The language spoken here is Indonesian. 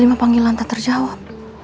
lima panggilan tak terjawab